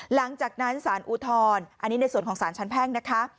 หลังจากนั้นสารอุทธรณ์อันนี้ในส่วนของสารชั้นแพ่งนะคะ